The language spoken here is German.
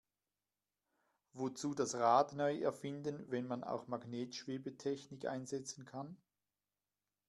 Wozu das Rad neu erfinden, wenn man auch Magnetschwebetechnik einsetzen kann?